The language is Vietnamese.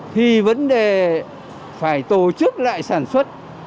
thì vấn đề phải tổ chức lại sản xuất